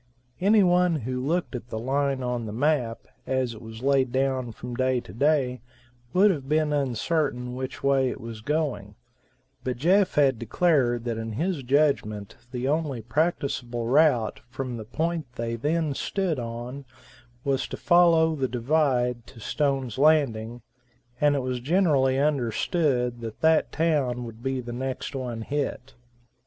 Any one who looked at the line on the map, as it was laid down from day to day, would have been uncertain which way it was going; but Jeff had declared that in his judgment the only practicable route from the point they then stood on was to follow the divide to Stone's Landing, and it was generally understood that that town would be the next one hit.